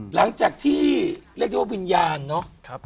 หลังจากที่เรียกได้ว่าวิญญาณเนาะ